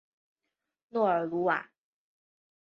诺尔鲁瓦。